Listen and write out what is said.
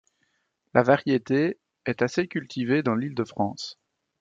La variété est assez cultivée dans l'Île-de-France.